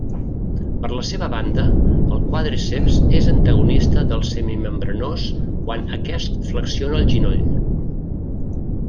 Per la seva banda el quàdriceps és antagonista del semimembranós quan aquest flexiona el genoll.